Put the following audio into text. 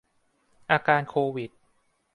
อาการโควิด